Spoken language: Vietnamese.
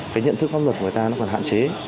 cái nhận thức pháp luật của người ta nó còn hạn chế